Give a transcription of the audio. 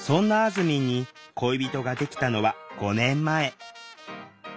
ずみんに恋人ができたのは５年前。